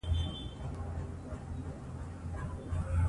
د انتقاد په ځای د حل لار ولټوئ.